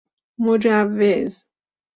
مجوز